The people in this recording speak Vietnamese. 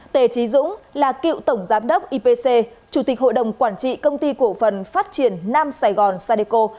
tề trí dũng là cựu tổng giám đốc ipc chủ tịch hội đồng quản trị công ty cổ phần phát triển nam sài gòn sadeco